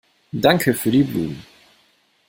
Danke für die Blumen.